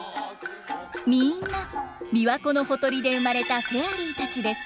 みんな琵琶湖のほとりで生まれたフェアリーたちです。